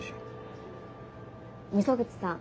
溝口さん。